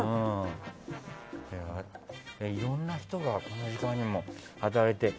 いろんな人がこの時間にも働いて。